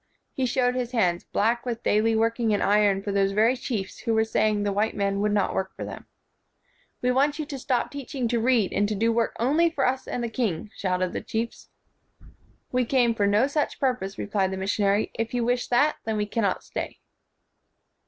He showed his hands, black with daily working in iron for those very chiefs who were saying the white men would not work for them. "We want you to stop teaching to read, and to do work only for us and the king," shouted the chiefs. "We came for no such purpose," replied the missionary. "If you wish that, then we cannot stay."